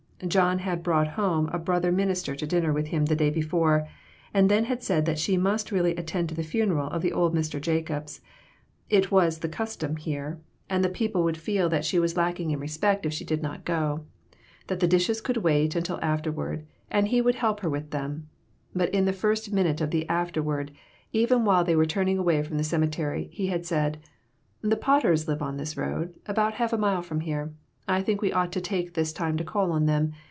John had brought home a brother minister to din ner with him the day before, and then had said that she must really attend the funeral of old Mr. Jacobs ; that it was the custom here, and the peo 78 A SMOKY ATMOSPHERE. pie would feel that she was lacking in respect if she did not go ; that the dishes could wait until afterward, and he would then help her with them. But in the first minute of the "afterward," even while they were turning away from the cemetery, he had said "The Potters live on this road, about half a mile from here ; I think we ought to take this time to call on them.